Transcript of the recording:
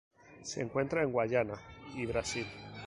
Se encuentra en Guayana y Brasil.